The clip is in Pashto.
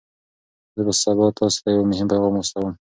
زه به سبا تاسي ته یو مهم پیغام واستوم.